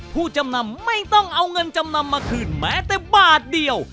ผู้จำนำไม่ต้องเอาเงินจำนำมาคืนแม้แต่บาทเดียว